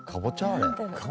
あれ。